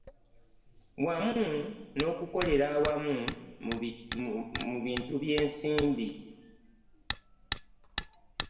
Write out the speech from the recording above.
Wamu n'okukolera awamu mu bintu by'ensimbi